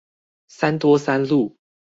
三多三路